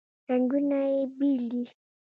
رنګونه یې بیل دي.